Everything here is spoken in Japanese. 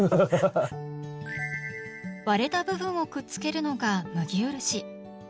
割れた部分をくっつけるのが「麦漆」。